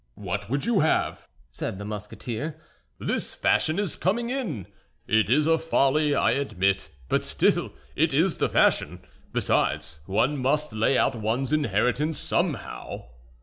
"What would you have?" said the Musketeer. "This fashion is coming in. It is a folly, I admit, but still it is the fashion. Besides, one must lay out one's inheritance somehow."